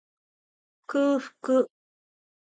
空腹